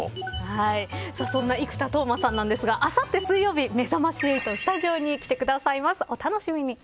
そんな生田斗真さんなんですがあさって水曜日めざまし８スタジオに来てくださいます。